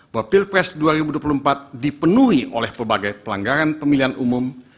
bahwa pilpres dua ribu dua puluh empat dipenuhi oleh pebagai pelanggaran pemilihan umum